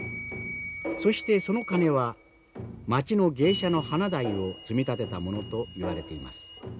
そしてその金は町の芸者の花代を積み立てたものといわれています。